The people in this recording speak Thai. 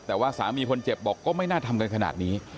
แต่ว่าสามีคนเจ็บบอกก็ไม่น่าทำกันขนาดนี้